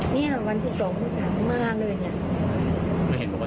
นี่วันที่สองมาร้านเลยเนี่ย